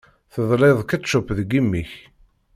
Teḍliḍ ketchup deg imi-k.